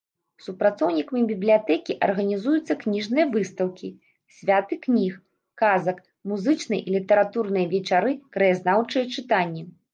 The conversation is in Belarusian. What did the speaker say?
Супрацоўнікамі бібліятэкі арганізуюцца кніжныя выстаўкі, святы кніг, казак, музычныя і літаратурныя вечары, краязнаўчыя чытанні.